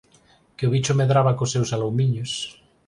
que o bicho medraba cos seus aloumiños.